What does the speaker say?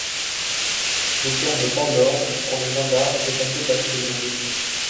Le terme pandore, pour les gendarmes est un peu passé de mode.